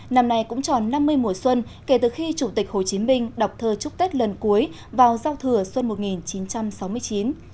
năm nay cũng tròn năm mươi mùa xuân kể từ khi chủ tịch hồ chí minh đọc thơ chúc tết lần cuối vào giao thừa xuân một nghìn chín trăm sáu mươi chín